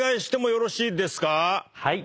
はい。